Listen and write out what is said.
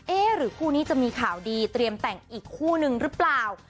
หรือคู่นี้จะมีข่าวดีเตรียมแต่งอีกคู่นึงหรือเปล่า